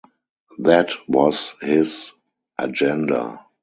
That was his agenda.